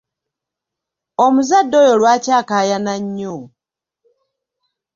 Omuzadde oyo lwaki akaayana nnyo?